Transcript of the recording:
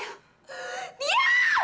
suster bawa dia ke rumah